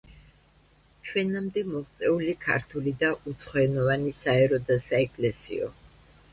ჩვენამდე მოღწეული ქართული და უცხოენოვანი საერო და საეკლესიო.